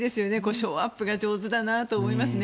ショーアップが上手だなと思いますよね。